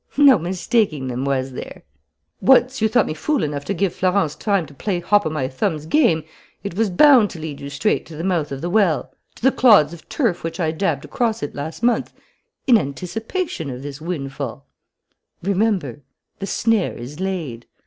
No mistaking them, was there? Once you thought me fool enough to give Florence time to play Hop o' my Thumb's game, it was bound to lead you straight to the mouth of the well, to the clods of turf which I dabbed across it, last month, in anticipation of this windfall. "Remember: 'The snare is laid.'